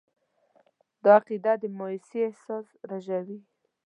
دا عقیده د مایوسي احساس رژوي.